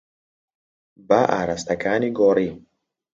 با ئاراستەکانی گۆڕی.